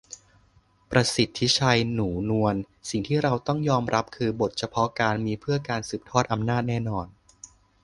ประสิทธิชัย หนูนวล : สิ่งที่เราต้องยอมรับคือ บทเฉพาะกาลมีเพื่อการสืบทอดอำนาจแน่นอน